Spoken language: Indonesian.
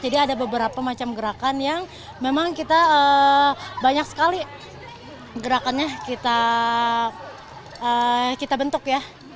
jadi ada beberapa macam gerakan yang memang kita banyak sekali gerakannya kita bentuk ya